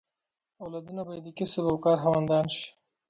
اولادونه به یې د کسب او کار خاوندان شي.